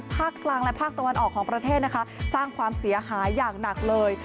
ภาคกลางและภาคตะวันออกของประเทศนะคะสร้างความเสียหายอย่างหนักเลย